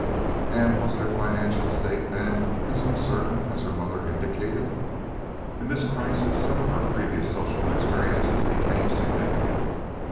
And was their financial state, then, as uncertain as her mother indicated? In this crisis some of her previous social experiences became significant.